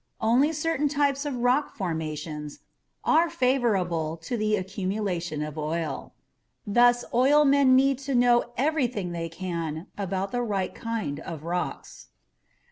Only certain types of rock formations are favorable to the accumulation of oil. Thus, oilmen need to know everything they can about the right kind of rocks.